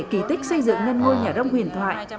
kỳ tích xây dựng nhân ngôi nhà rông huyền thoại